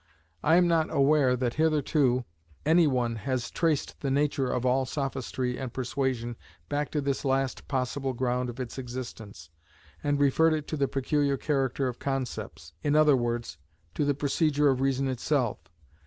I am not aware that hitherto any one has traced the nature of all sophistry and persuasion back to this last possible ground of its existence, and referred it to the peculiar character of concepts, i.e., to the procedure of reason itself.